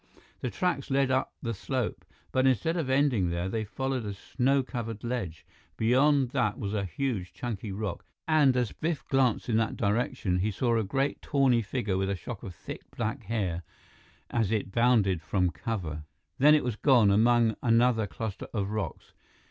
The tracks led up the slope, but instead of ending there, they followed a snow covered ledge. Beyond that was a huge, chunky rock, and as Biff glanced in that direction, he saw a great tawny figure with a shock of thick, black hair, as it bounded from cover. Then it was gone, among another cluster of rocks.